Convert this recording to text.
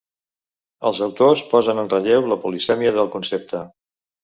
Els autors posen en relleu la polisèmia del concepte.